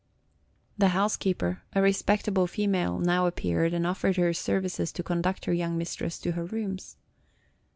The housekeeper, a respectable female, now appeared and offered her services to conduct her young mistress to her rooms.